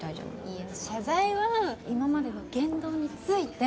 いや謝罪は今までの言動について。